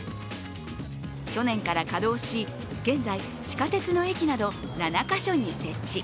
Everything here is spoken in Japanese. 去年から稼働し現在、地下鉄の駅など７か所に設置。